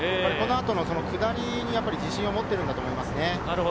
このあとの下りに自信を持っているんだと思いますね。